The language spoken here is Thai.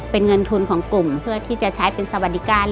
เป็นเงินทุนของกลุ่มเพื่อที่จะใช้เป็นสวัสดิการ